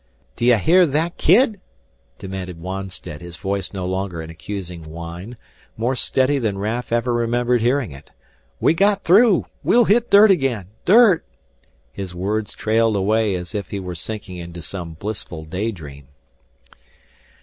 "D'you hear that, kid?" demanded Wonstead, his voice no longer an accusing whine, more steady than Raf ever remembered hearing it. "We got through! We'll hit dirt again! Dirt " his words trailed away as if he were sinking into some blissful daydream.